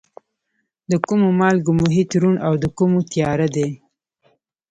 د کومو مالګو محیط روڼ او د کومو تیاره دی؟